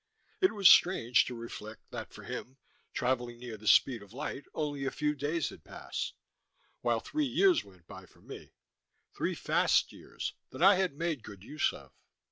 It was strange to reflect that for him, traveling near the speed of light, only a few days had passed, while three years went by for me three fast years that I had made good use of.